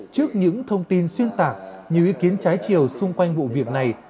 trước những thông tin xuyên tạc nhiều ý kiến trái chiều xung quanh vụ việc này